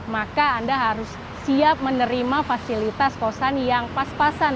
maka anda harus siap menerima fasilitas kosan yang pas pasan